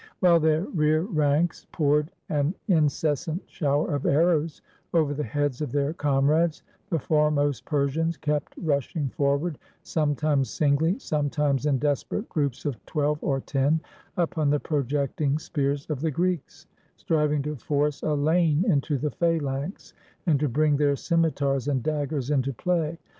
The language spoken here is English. While their rear ranks poured an incessant shower of arrows over the heads of their comrades, the foremost Persians kept rushing forward, sometimes singly, sometimes in desperate groups of twelve or ten, upon the projecting spears of the Greeks, striving to force a lane into the phalanx, and to bring their scimitars and daggers into play.